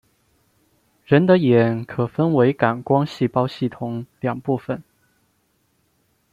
人的眼可分为感光细胞系统两部分。